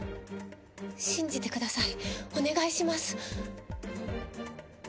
信じてくださいお願いします。